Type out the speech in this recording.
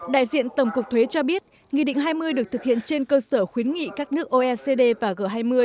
đại diện tổng cục thuế cho biết nghị định hai mươi được thực hiện trên cơ sở khuyến nghị các nước oecd và g hai mươi